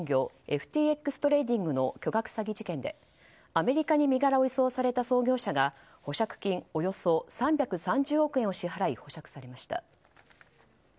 ＦＴＸトレーディングの巨額詐欺事件でアメリカに身柄を移送された創業者が保釈金およそ３３０億円を支払い保釈されました。